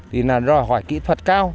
thì là rồi hỏi kỹ thuật cao